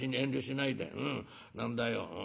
何だよ